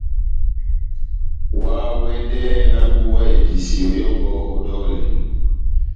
Oháwɛdɛhɛ nahábuwa episeyo yɔngɔ ó dɔlɛ !